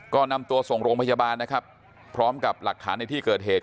ก็นำตัวส่งโรงพยาบาลนะครับพร้อมกับหลักฐานในที่เกิดเหตุ